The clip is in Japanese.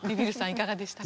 いかがでしたか？